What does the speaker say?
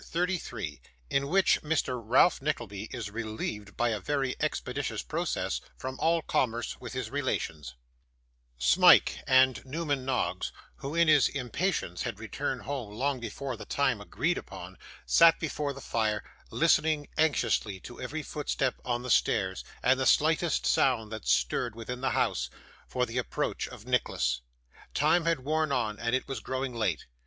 CHAPTER 33 In which Mr. Ralph Nickleby is relieved, by a very expeditious Process, from all Commerce with his Relations Smike and Newman Noggs, who in his impatience had returned home long before the time agreed upon, sat before the fire, listening anxiously to every footstep on the stairs, and the slightest sound that stirred within the house, for the approach of Nicholas. Time had worn on, and it was growing late.